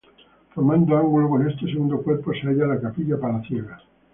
Formando ángulo con este segundo cuerpo se haya la capilla palaciega.